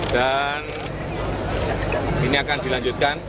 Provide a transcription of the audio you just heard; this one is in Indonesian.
dan ini akan dilanjutkan